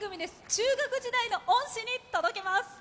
中学時代の恩師に届けます。